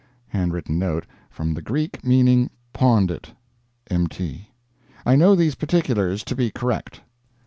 [handwritten note: "From the Greek meaning 'pawned it.'" M.T.] I know these particulars to be correct.